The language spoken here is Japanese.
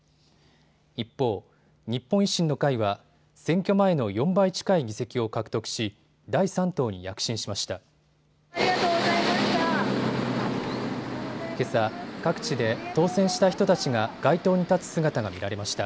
一方、日本維新の会は選挙前の４倍近い議席を獲得し第三党に躍進しました。